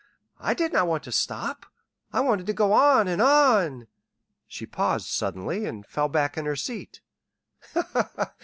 I did not want to stop. I wanted to go on and on " She paused suddenly, and fell back in her seat.